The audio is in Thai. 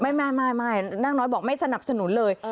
ไม่นางน้อยบอกไม่สนับสนุนเลย